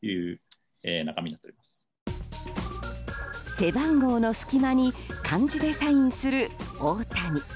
背番号の隙間に漢字でサインする大谷。